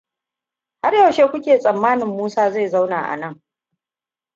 Har yaushe kuke tsammanin Musa zai zauna anan?